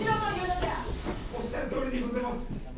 おっしゃるとおりにございます！